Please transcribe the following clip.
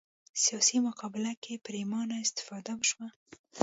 سیاسي مقابله کې پرېمانه استفاده وشوه